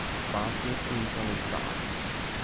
La base entra nel caos.